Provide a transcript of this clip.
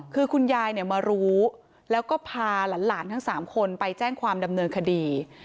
คือคุณยายมารู้แล้วก็พาหลานทั้ง๓คนไปแจ้งความดำเนินคดี